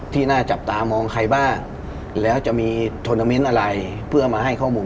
ที่น่าจับตามองใครบ้างแล้วจะมีอะไรเพื่อมาให้ข้อมูล